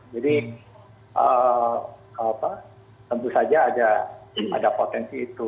jadi tentu saja ada potensi itu